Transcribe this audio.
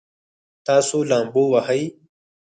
تاسو لامبو وهئ؟